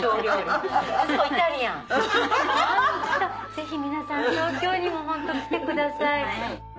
ぜひ皆さん東京にも来てください。